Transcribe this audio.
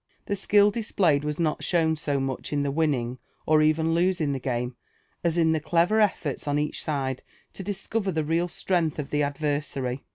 The skill displayed was not shown so much in the winning or even losing the game, as in the clever elTorts on each side to discover the real strength of the adver sary.